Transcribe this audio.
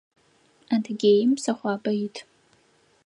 Адыгеим псыхъуабэ ит.